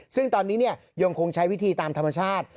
ซึ่งตอนนี้ยังคงใช้วิธีตามธรรมชาติ